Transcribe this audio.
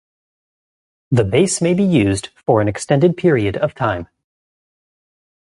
The base may be used for an extended period of time.